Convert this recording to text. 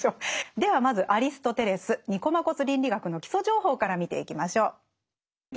ではまずアリストテレス「ニコマコス倫理学」の基礎情報から見ていきましょう。